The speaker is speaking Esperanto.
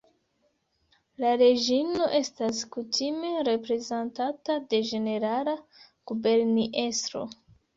La Reĝino estas kutime reprezentata de Ĝenerala Guberniestro.